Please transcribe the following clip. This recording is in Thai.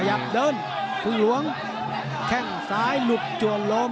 ขยับเดินคุณหลวงแค่งซ้ายหลุบจวนลม